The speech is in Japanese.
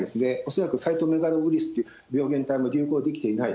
恐らく、ウイルスという病原体も流行できていない。